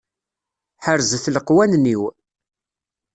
Ḥerzet leqwanen-iw.